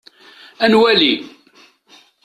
Ad nwali.